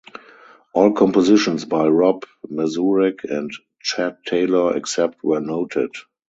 All compositions by Rob Mazurek and Chad Taylor except where noted